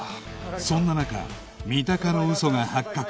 そんな中三鷹の嘘が発覚